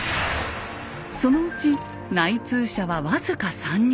そのうち内通者は僅か３人。